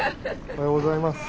おはようございます。